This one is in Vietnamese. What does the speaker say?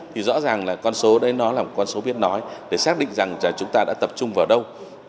thì rõ ràng là con số đấy nó là một con số biết nói để xác định rằng chúng ta đã tập trung vào đâu